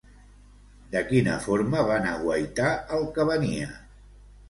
De quina forma van aguaitar el que venia?